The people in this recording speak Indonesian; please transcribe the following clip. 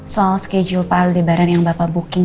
soal schedule pak aldebaran yang bapak booking